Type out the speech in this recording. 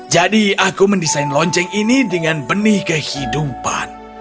jadi aku mendesain lonceng ini dengan benih kehidupan